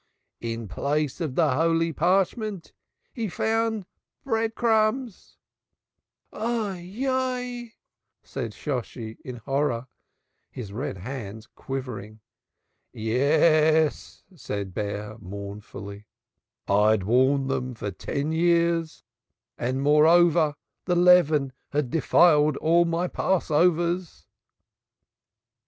in place of the holy parchment he found bread crumbs." "Hoi, hoi," said Shosshi in horror, his red hands quivering. "Yes," said Bear mournfully, "I had worn them for ten years and moreover the leaven had denied all my Passovers."